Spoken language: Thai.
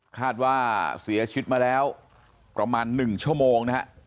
คาดว่าเสียชีวิตมาแล้วประมาณ๑ชั่วโมงนะฮะ